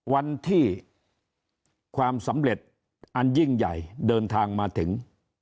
วันที่ความสำเร็จอันยิ่งใหญ่เดินทางมาถึง